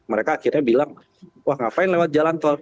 mereka akhirnya bilang wah ngapain lewat jalan tol